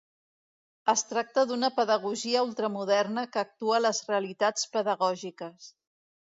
Es tracta d'una pedagogia ultramoderna que actua les realitats pedagògiques.